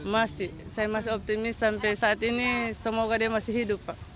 masih saya masih optimis sampai saat ini semoga dia masih hidup pak